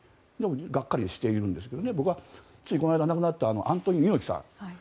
がっかりしているんですけど僕はついこの間に亡くなったアントニオ猪木さん。